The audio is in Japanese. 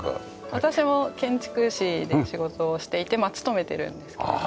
私も建築士で仕事をしていて勤めているんですけれども。